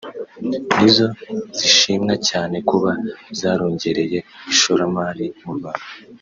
nizo zishimwa cyane kuba zarongereye ishoramari mu Rwanda